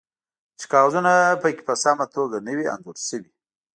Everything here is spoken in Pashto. چې کاغذونه پکې په سمه توګه نه وي انځور شوي